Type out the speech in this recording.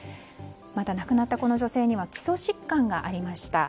また亡くなった、この女性には基礎疾患がありました。